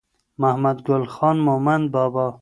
محمد ګل خان مومند بابا